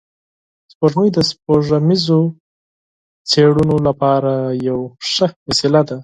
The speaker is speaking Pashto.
سپوږمۍ د سپوږمیزو څېړنو لپاره یوه مهمه وسیله ده